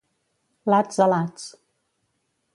Lats a lats.